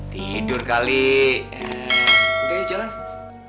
tidur kali ya udah ya jalan